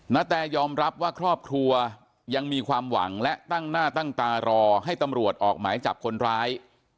นาแตยอมรับว่าครอบครัวยังมีความหวังและตั้งหน้าตั้งตารอให้ตำรวจออกหมายจับคนร้าย